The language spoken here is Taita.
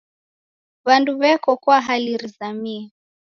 W'andu w'eko kwa hali rizamie.